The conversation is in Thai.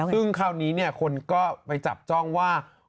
ซึ่งคราวนี้คนก็ไปจับจ้องว่า